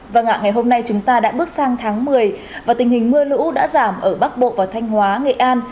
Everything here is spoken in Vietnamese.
và ngạ ngày hôm nay chúng ta đã bước sang tháng một mươi và tình hình mưa lũ đã giảm ở bắc bộ và thanh hóa nghệ an